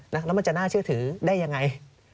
แล้วมันจะน่าเชื่อถือได้ยังไง